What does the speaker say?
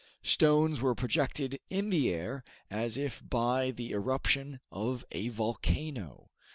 Stones were projected in the air as if by the eruption of a volcano.